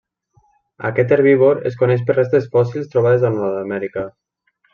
Aquest herbívor es coneix per restes fòssils trobades a Nord-amèrica.